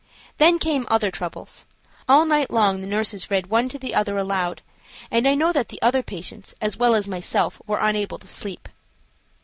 Then came other troubles. All night long the nurses read one to the other aloud, and I know that the other patients, as well as myself, were unable to sleep.